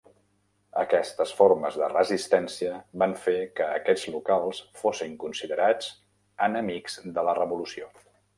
Aquestes formes de resistència van fer que aquests locals fossin considerats enemics de la Revolució.